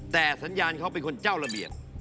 แต่สัญญาณเขาเป็นคนเจ้าระเบียบ